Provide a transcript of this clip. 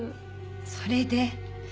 それで？